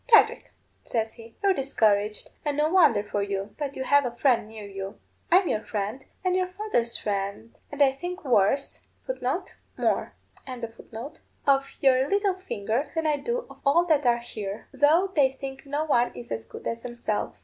'Patrick,' says he, 'you're discouraged, and no wonder for you. But you have a friend near you. I'm your friend, and your father's friend, and I think worse of your little finger than I do of all that are here, though they think no one is as good as themselves.